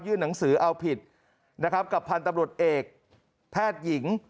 หนังสือเอาผิดนะครับกับพันธุ์ตำรวจเอกแพทย์หญิง